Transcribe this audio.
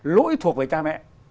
lỗi thuộc về cha mẹ